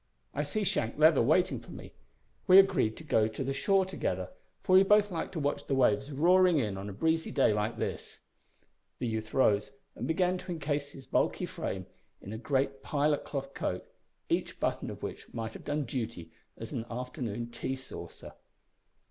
I see Shank Leather waiting for me. We agreed to go to the shore together, for we both like to watch the waves roaring in on a breezy day like this." The youth rose and began to encase his bulky frame in a great pilot cloth coat, each button of which might have done duty as an afternoon tea saucer.